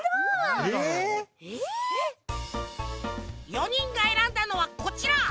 ４にんがえらんだのはこちら。